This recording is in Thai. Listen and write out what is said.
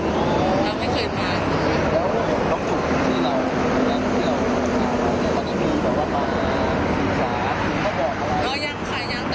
ยังค่ะยังใดว่าเล่นโดยทางที่ไม่ดูขยะ